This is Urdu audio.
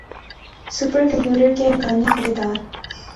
سُپر کمپوٹر کے امکانی خریدار